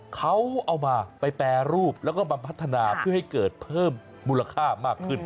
เขาเอามาไปแปรรูปแล้วก็มาพัฒนาเพื่อให้เกิดเพิ่มมูลค่ามากขึ้น